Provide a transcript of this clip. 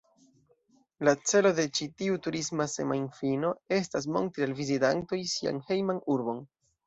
La celo de ĉi tiu turisma semajnfino estas montri al vizitantoj sian hejman urbon.